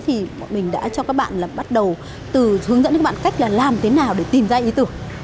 thì bọn mình đã cho các bạn là bắt đầu từ hướng dẫn đến bạn cách là làm thế nào để tìm ra ý tưởng